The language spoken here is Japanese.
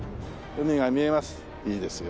いいですよ。